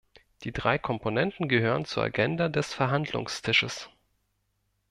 Die drei Komponenten gehören zur Agenda des "Verhandlungstisches".